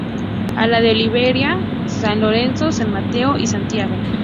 A la de Oliveira: San Lorenzo, San Mateo y Santiago.